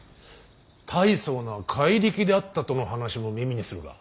大層な怪力であったとの話も耳にするが。